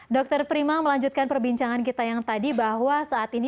dr prima melanjutkan perbincangan kita yang tadi bahwa saat ini